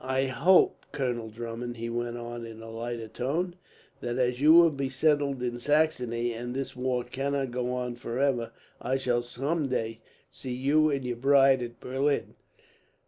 "I hope, Colonel Drummond," he went on in a lighter tone, "that as you will be settled in Saxony and this war cannot go on for ever I shall someday see you and your bride at Berlin.